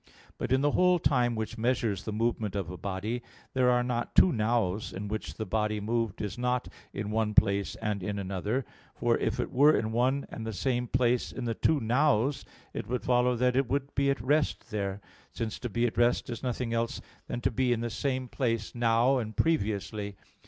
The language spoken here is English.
But in the whole time which measures the movement of a body, there are not two "nows" in which the body moved is not in one place and in another; for if it were in one and the same place in two "nows," it would follow that it would be at rest there; since to be at rest is nothing else than to be in the same place now and previously.